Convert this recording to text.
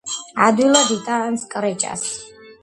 ადვილად იტანს კრეჭას.